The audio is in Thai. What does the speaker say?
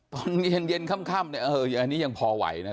ตอนเย็นเย็นค่ำค่ำเนี้ยเอออันนี้ยังพอไหวนะ